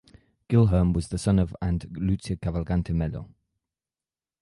Guilherme was the son of and Luzia Cavalcante Melo.